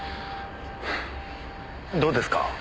どうですか？